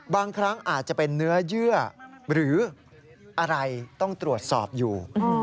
บางครั้งอาจจะเป็นเนื้อเยื่อหรืออะไรต้องตรวจสอบอยู่